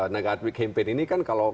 negatic campaign ini kan kalau